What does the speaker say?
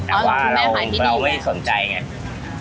แต่ว่าเราไม่สนใจไง